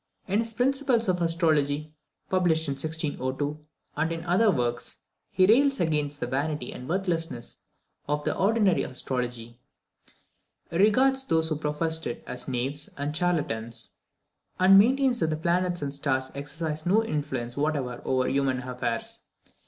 In his Principles of Astrology, published in 1602, and in other works, he rails against the vanity and worthlessness of the ordinary astrology. He regards those who professed it as knaves and charlatans; and maintains that the planets and stars exercise no influence whatever over human affairs.